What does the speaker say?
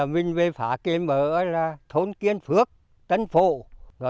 mình về phá kiếm ở thôn kiên phước tân phổ